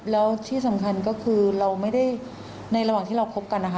แล้วที่สำคัญก็คือเราไม่ได้ในระหว่างที่เราคบกันนะคะ